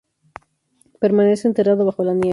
Permanece enterrado bajo la nieve.